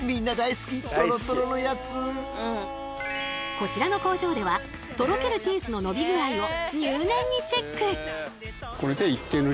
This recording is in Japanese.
こちらの工場ではとろけるチーズの伸び具合を入念にチェック。